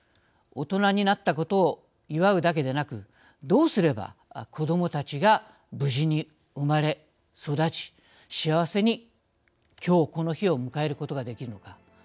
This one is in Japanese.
大人になったことを祝うだけでなくどうすれば子どもたちが無事に生まれ育ち幸せにきょうこの日を迎えることができるのか。